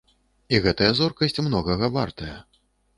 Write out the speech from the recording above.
І гэтая зоркасць многага вартая.